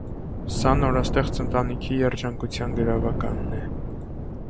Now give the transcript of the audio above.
Սա նորաստեղծ ընտանիքի երջանկության գրավականն է։